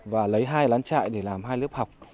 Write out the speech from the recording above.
và lấy hai lán trại để làm hai lớp học